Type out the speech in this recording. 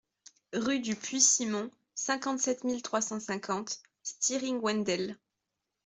Rue du Puits Simon, cinquante-sept mille trois cent cinquante Stiring-Wendel